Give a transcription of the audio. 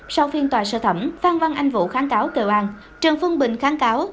sau phiên tòa sơ thẩm phan văn anh vũ kháng cáo kêu an trần phương bình kháng cáo